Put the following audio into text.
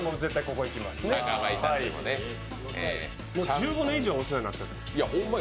１５年以上お世話になってる。